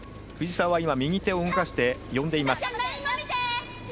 藤澤は今、右手を動かして呼んでいます。